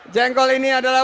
jengkol ini adalah